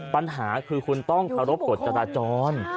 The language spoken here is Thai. ปัญหาคือคุณต้องรบกฎจัตราจร